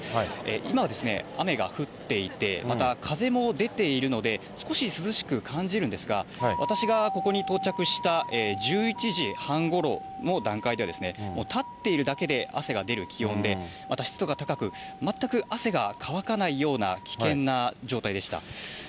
今は雨が降っていて、また風も出ているので、少し涼しく感じるんですが、私がここに到着した１１時半ごろの段階では、立っているだけで汗が出る気温で、また湿度が高く、全く汗が乾かないような危険な状態でした。